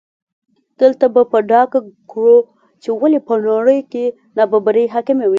دلته به په ډاګه کړو چې ولې په نړۍ کې نابرابري حاکمه ده.